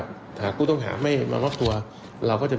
ก็มีการออกรูปรวมปัญญาหลักฐานออกมาจับได้ทั้งหมด